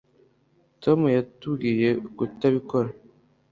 tom yatubwiye kutabikora